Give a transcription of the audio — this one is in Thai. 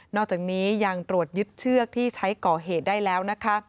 อกจากนี้ยังตรวจยึดเชือกที่ใช้ก่อเหตุได้แล้วนะคะ